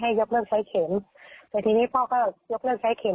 ให้ยกเรื่องใช้เข็มแต่ทีนี้พ่อก็ยกเลือกใช้เข็ม